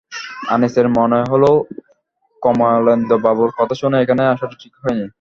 আনিসের মনে হলো, কমলেন্দুবাবুর কথা শুনে এখানে আসাটা ঠিক হয় নি।